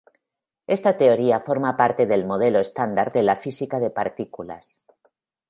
Esta teoría forma parte del modelo estándar de la física de partículas.